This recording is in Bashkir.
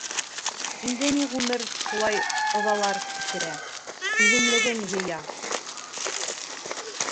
Инде ни ғүмер шулай ыҙалар кисерә, түҙемлеген йыя.